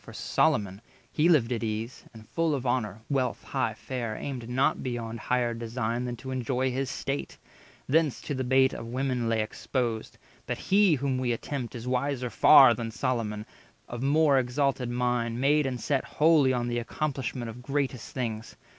200 For Solomon, he lived at ease, and, full Of honour, wealth, high fare, aimed not beyond Higher design than to enjoy his state; Thence to the bait of women lay exposed. But he whom we attempt is wiser far Than Solomon, of more exalted mind, Made and set wholly on the accomplishment Of greatest things.